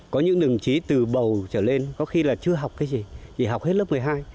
có những đồng chí từ bầu trở lên có khi là chưa học cái gì học hết lớp một mươi hai